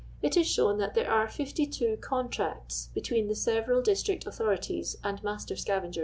it is shown that there are 52 contracts between the several district authori ties and master scavenger.